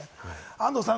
安藤さん